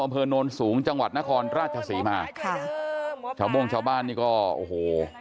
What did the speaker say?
อำเภอโนนสูงจังหวัดนครราชศรีมาค่ะชาวโม่งชาวบ้านนี่ก็โอ้โห